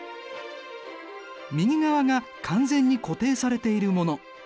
右側が完全に固定されているもの。